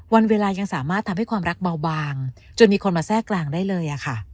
วันเวลายังสามารถทำให้ความรักเบาบางจนมีคนมาแทรกกลางได้เลยค่ะ